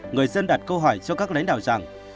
người dân đặt câu hỏi cho các lãnh đạo rằng